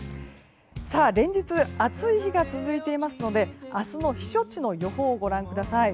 連日、暑い日が続いていますので明日の避暑地の予報をご覧ください。